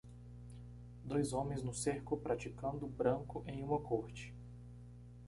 Dois homens no cerco praticando branco em uma corte.